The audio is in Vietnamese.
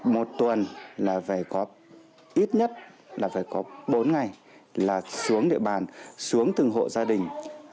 một tuần là phải có ít nhất là phải có bốn ngày là xuống địa bàn xuống từng hộ gia đình